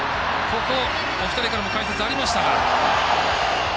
お二人からも解説ありましたが。